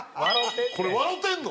これ笑うてんの？